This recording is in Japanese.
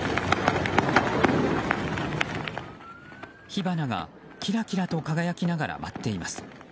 火花がキラキラと輝きながら舞っています。